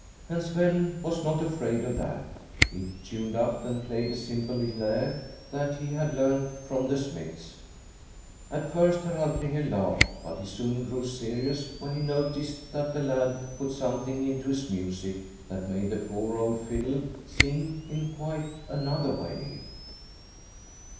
And Sven was not afraid of that. He tuned up and played a simple little air that he had learnt from the smiths. At first Herr Altringer laughed, but he soon grew serious when he noticed that the lad put something into his music that made the poor old fiddle sing in quite another way.